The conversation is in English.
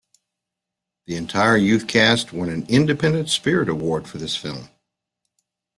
The entire youth cast won an Independent Spirit Award for this film.